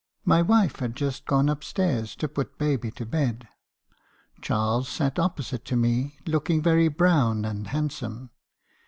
My wife had just gone upstairs to put baby to bed. Charles sat opposite to me , looking very brown and handsome.